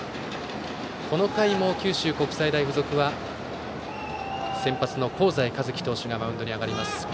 この回も九州国際大付属は先発の香西一希投手がマウンドに上がります。